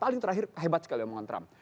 paling terakhir hebat sekali omongan trump